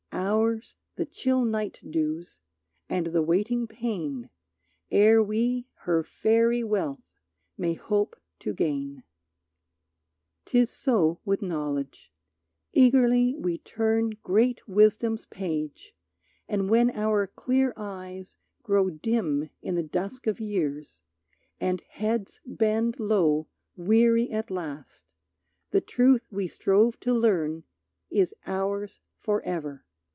Ours the chill night dews and the waiting pain Ere we her fairy wealth may hope to gain. 'Tis so with knowledge. Eagerly we turn Great Wisdom's page, and when our clear eyes grow Dim in the dusk of years, and heads bend low Weary at last, the truth we strove to learn Is ours forever.